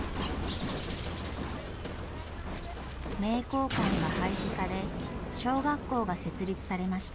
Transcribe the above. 名教館が廃止され小学校が設立されました。